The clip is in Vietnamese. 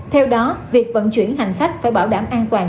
theo đó việc vận chuyển hành khách phải bảo đảm an toàn